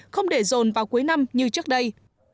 không để rồn vào cuối năm như trước đây